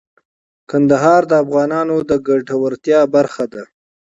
کندهار د افغانانو د ګټورتیا برخه ده.